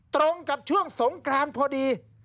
ตรงกับช่วงสงกรานพอดี